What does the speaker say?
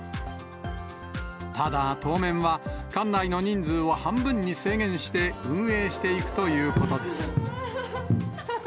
ただ、当面は、館内の人数を半分に制限して運営していくということです。